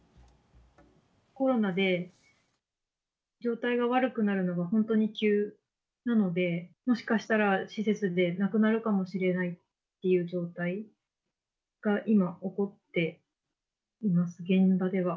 コロナで状態が悪くなるのが本当に急なので、もしかしたら施設で亡くなるかもしれないっていう状態が今起こっています、現場では。